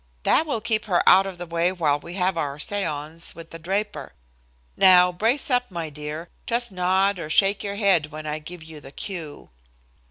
"That will keep her out of the way while we have our seance with the Draper. Now brace up, my dear; just nod or shake your head when I give you the cue."